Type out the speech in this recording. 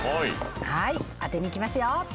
はい当てにいきますよ